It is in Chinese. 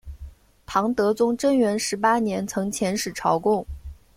唐德宗贞元十八年曾遣使朝贡。